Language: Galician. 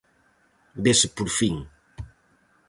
Vese por fin.